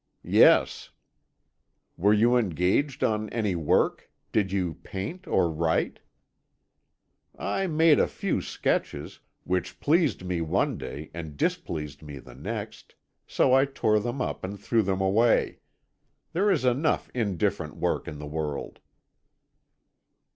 "Yes." "Were you engaged on any work? Did you paint or write?" "I made a few sketches, which pleased me one day and displeased me the next, so I tore them up and threw them away. There is enough indifferent work in the world."